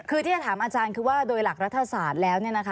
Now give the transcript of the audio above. คือที่จะถามอาจารย์คือว่าโดยหลักรัฐศาสตร์แล้ว